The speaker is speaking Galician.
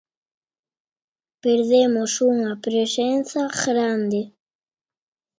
Perdemos unha presenza grande.